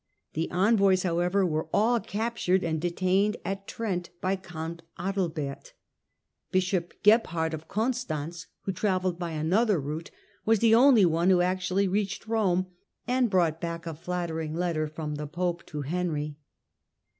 The envoys, however, were all captured and detained at Trent by Count Adalbert. Digitized by VjOOQIC 1 82 HlLDEBRAND Bishop Gebliard of Oonstanz, who travelled by another route, was the only one who actually reached Eome, and brought back a flattering letter from the pope to Henry.